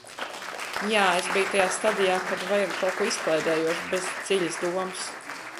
Jā, es biju tajā stadijā, kad vajag kaut ko izklaidējošu, bez dziļas domas.